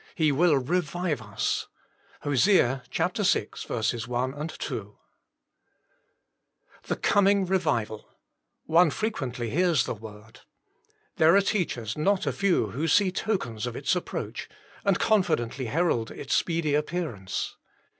He will revive us." Hos. vi. 1, 2. HTIIE COMING REVIVAL one frequently hears the word. There are teachers not a few who see the tokens of its approach, and confidently herald its speedy appearance.